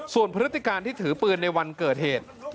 ส่วนพฤติการที่ถือปืนในวันเกิดเหตุ